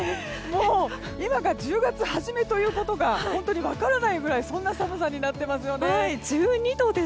もう今が１０月初めということが本当に分からないぐらいの寒さになっていますね。